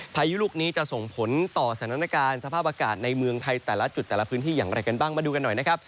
พายุลูกนี้จะส่งผลต่อสถานการณ์สภาพอากาศในเมืองไทยแต่ละจุดแต่ละพื้นที่อย่างไรกันบ้างมาดูกันหน่อยนะครับ